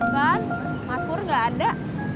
kan mas pur gak ada